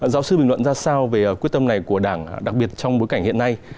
giáo sư bình luận ra sao về quyết tâm này của đảng đặc biệt trong bối cảnh hiện nay